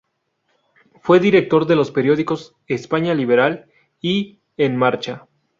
Fue director de los periódicos "España Liberal" y "En Marcha".